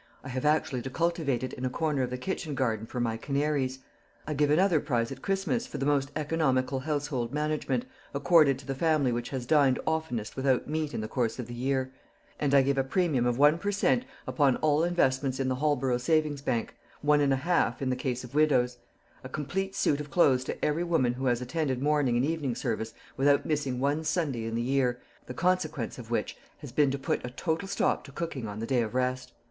I have actually to cultivate it in a corner of the kitchen garden for my canaries. I give another prize at Christmas for the most economical household management, accorded to the family which has dined oftenest without meat in the course of the year; and I give a premium of one per cent upon all investments in the Holborough savings bank one and a half in the case of widows; a complete suit of clothes to every woman who has attended morning and evening service without missing one Sunday in the year, the consequence of which has been to put a total stop to cooking on the day of rest.